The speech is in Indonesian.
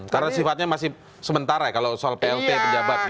karena sifatnya masih sementara ya kalau soal plt penjabat gitu ya